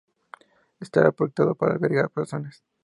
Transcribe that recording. Estaba proyectado para albergar personas.